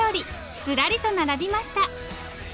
ずらりと並びました。